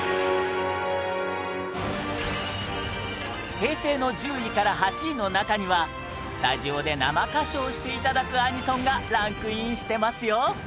平成の１０位から８位の中にはスタジオで生歌唱していただくアニソンがランクインしてますよ